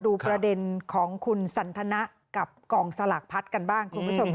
ดูประเด็นของคุณสันทนักกับกองสลักพลัดกันบ้าง